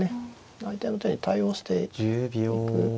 相手の手に対応していく。